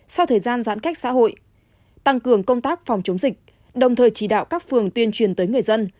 sau thời gian giãn cách xã hội tăng cường công tác phòng chống dịch đồng thời chỉ đạo các phường tuyên truyền tới người dân